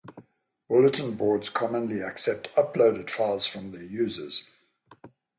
Bulletin boards commonly accept uploaded files from their users.